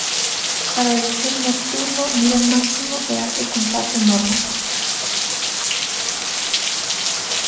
Para o lecer nocturno, nivel máximo e alto comparten normas.